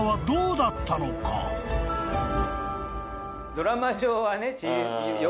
ドラマ上はね。